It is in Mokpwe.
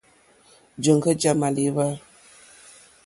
Jɔ̀ŋɡɔ́ já !málíwá.